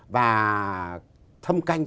và thâm canh